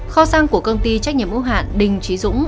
kho sàng của công ty trách nhiệm ưu hạn đinh trí dũng